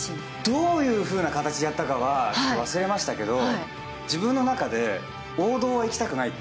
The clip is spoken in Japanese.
どういうふうな形でやったか忘れましたけど。